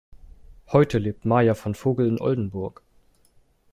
Heute lebt Maja von Vogel in Oldenburg.